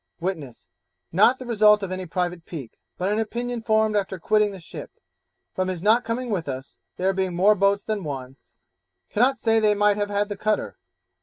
Witness 'Not the result of any private pique, but an opinion formed after quitting the ship, from his not coming with us, there being more boats than one; cannot say they might have had the cutter.'